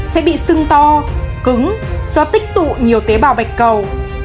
sẽ bị sưng to cứng do tích tụ nhiều tế bào bạch cầu